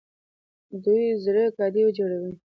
دوی زرهي ګاډي جوړوي.